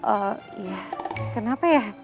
eh iya kenapa ya